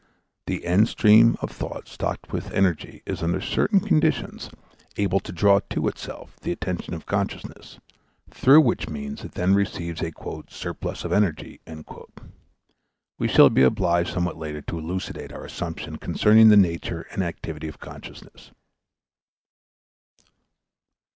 The end stream of thought stocked with energy is under certain conditions able to draw to itself the attention of consciousness, through which means it then receives a "surplus of energy." We shall be obliged somewhat later to elucidate our assumption concerning the nature and activity of consciousness.